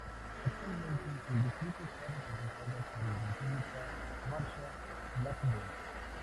Actualmente el distrito está representado por la Republicana Marsha Blackburn.